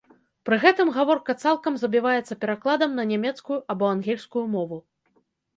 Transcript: Пры гэтым гаворка цалкам забіваецца перакладам на нямецкую або ангельскую мову.